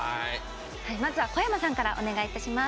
まずは小山さんからお願いいたします。